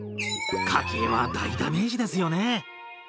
家計は大ダメージですよね。